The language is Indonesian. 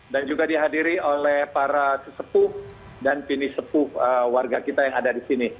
dan juga dihadiri oleh para sesepuh dan pinis sepuh warga kita yang ada di sini